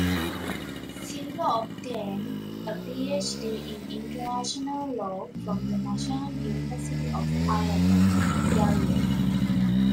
Silva obtained a PhD in International Law from the National University of Ireland, Galway.